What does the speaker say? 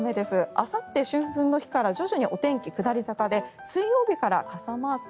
あさって、春分の日から徐々にお天気下り坂で水曜日から傘マーク。